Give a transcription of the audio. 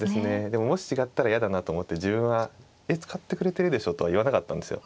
でももし違ったら嫌だなと思って自分は「えっ使ってくれてるでしょ？」とは言わなかったんですよ。